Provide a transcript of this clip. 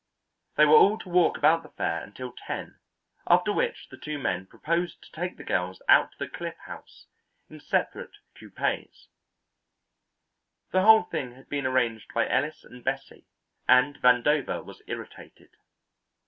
They were all to walk about the Fair until ten, after which the two men proposed to take the girls out to the Cliff House in separate coupés. The whole thing had been arranged by Ellis and Bessie, and Vandover was irritated.